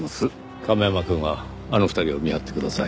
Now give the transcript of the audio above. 亀山くんはあの２人を見張ってください。